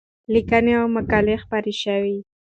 لیکنې او مقالې خپرې شوې.